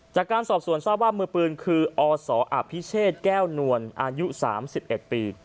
จากการสอบสวนทราบว่ามือปืนคืออสอภิเชษแก้วนวลอายุ๓๑ปี